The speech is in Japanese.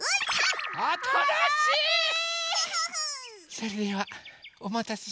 それではおまたせしました。